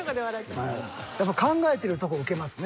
やっぱ考えてるとこウケますね